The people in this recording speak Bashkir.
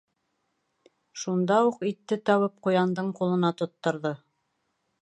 Шунда уҡ итте табып ҡуяндың ҡулына тотторҙо.